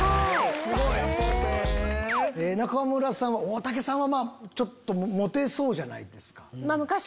すごい。中村さん大竹さんはちょっとモテそうじゃないですか。